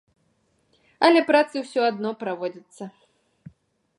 Але працы ўсё адно праводзяцца.